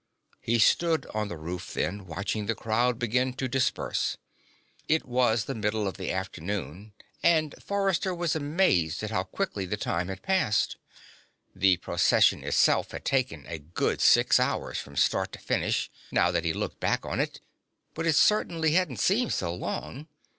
He stood on the roof then, watching the crowd begin to disperse. It was the middle of the afternoon, and Forrester was amazed at how quickly the time had passed. The Procession itself had taken a good six hours from start to finish, now that he looked back on it, but it certainly hadn't seemed so long.